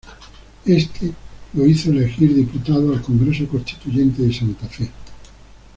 Éste lo hizo elegir diputado al Congreso Constituyente de Santa Fe.